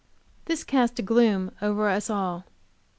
This cast a gloom over us all.